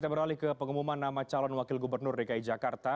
kita beralih ke pengumuman nama calon wakil gubernur dki jakarta